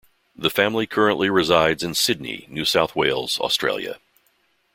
The family currently resides in Sydney, New South Wales, Australia.